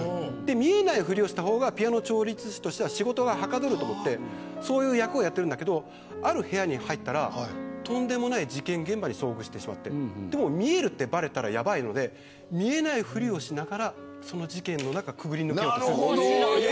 見えないふりをしていた方がピアノ調律師としては仕事がはかどると思ってそういう役をやっているんだけどある部屋に入ったらとんでもない事件現場に遭遇してしまってでも見えるってばれたらやばいので見えないふりをしながらその事件をくぐり抜けようとするんです。